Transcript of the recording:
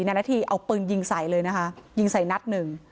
นายนาธีเอาปืนยิงใสเลยยิงใสนัดหนึ่ง